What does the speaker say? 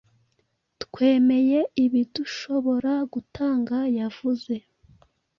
Twemeye ibidushobora gutanga Yavuze